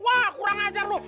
wah kurang ajar lo